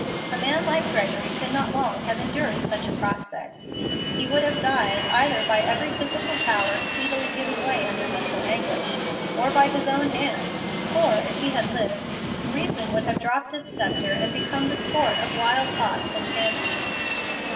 A man like Gregory could not long have endured such a prospect. He would have died, either by every physical power speedily giving way under mental anguish, or by his own hand; or, if he had lived, reason would have dropped its sceptre and become the sport of wild thoughts and fancies.